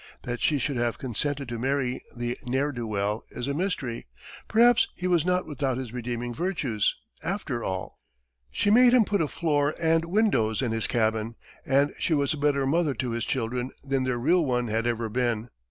That she should have consented to marry the ne'er do well is a mystery; perhaps he was not without his redeeming virtues, after all. She made him put a floor and windows in his cabin, and she was a better mother to his children than their real one had ever been.